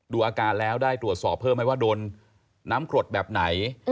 อาการแล้วได้ตรวจสอบเพิ่มไหมว่าโดนน้ำกรดแบบไหน